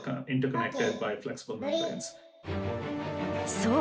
そう！